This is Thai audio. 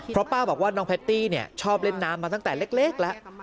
เพราะป้าบอกว่าน้องแพตตี้ชอบเล่นน้ำมาตั้งแต่เล็กแล้ว